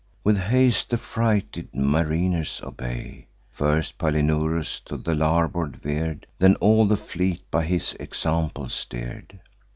With haste the frighted mariners obey. First Palinurus to the larboard veer'd; Then all the fleet by his example steer'd.